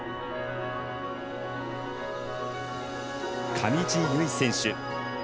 上地結衣選手。